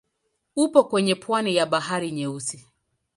Upo kwenye pwani ya Bahari Nyeusi.